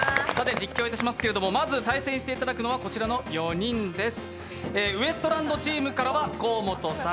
実況いたしますけれどもまず対戦していただくのはこちらの４人です。